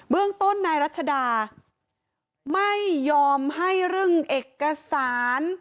เรื่องต้นนายรัชดาไม่ยอมให้เรื่องเอกสาร